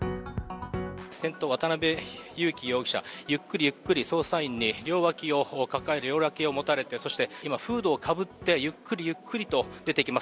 先頭、渡辺優樹容疑者、ゆっくりゆっくり、捜査員に両脇を持たれて、そして今、フードをかぶってゆっくりゆっくりと出てきます。